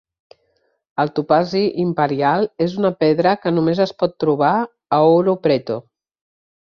El topazi imperial és una pedra que només es pot trobar a Ouro Preto.